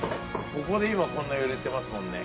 ここで今こんな揺れてますもんね。